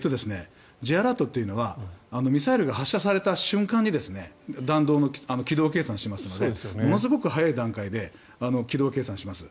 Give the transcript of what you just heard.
Ｊアラートというのはミサイルが発射された瞬間に弾道の軌道計算をしますのでものすごく早い段階で軌道計算をします。